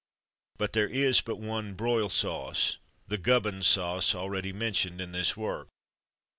But there is but one broil sauce, the GUBBINS SAUCE, already mentioned in this work.